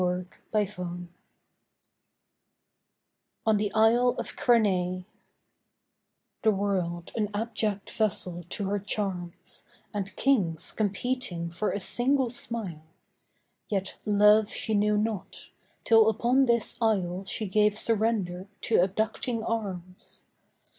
HELEN OF TROY ON THE ISLE OF CRANAE The world an abject vassal to her charms, And kings competing for a single smile, Yet love she knew not, till upon this isle She gave surrender to abducting arms.